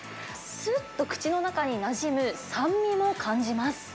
すっと口の中になじむ酸味も感じます。